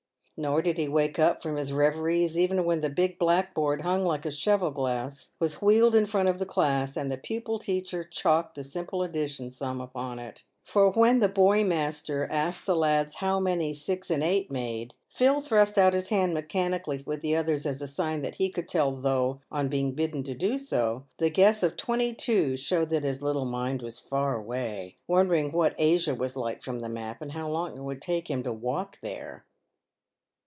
Nor did he wake up from his reveries even when the big black board, hung like a cheval glass, was wheeled in front of the class, and the pupil teacher chalked the simple addition sum upon it ; for when the boy master asked the lads how many 6 and 8 made, Phil thrust out his hand mechanically with the others as a sign that he could tell, though on being bidden to do so, the guess of twenty two showed that his little mind was far away, wondering what Asia was like from the map, and how long it would take him to walk there.